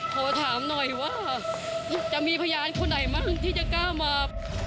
ขอถามหน่อยว่าจะมีพยานคนไหนมั้งที่จะกล้ามา